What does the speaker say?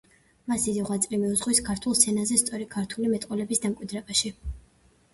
მას დიდი ღვაწლი მიუძღვის ქართულ სცენაზე სწორი ქართული მეტყველების დამკვიდრებაში.